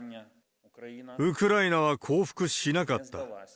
ウクライナは降伏しなかった。